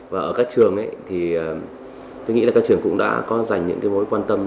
và ở các trường thì tôi nghĩ là các trường cũng đã có dành những mối quan tâm